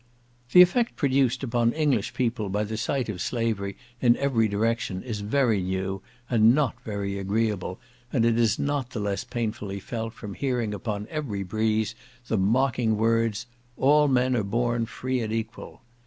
The effect produced upon English people by the sight of slavery in every direction is very new, and not very agreeable, and it is not the less painfully felt from hearing upon every breeze the mocking words, "All men are born free and equal."